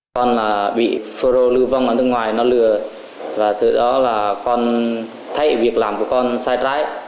con bị phô rô lưu vong ở nước ngoài nó lừa và từ đó là con thay việc làm của con sai trái